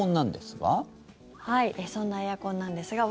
そんなエアコンなんですが。